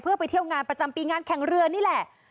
เพื่อไปเที่ยวงานประจำปีงานแข่งเรือนี่แหละ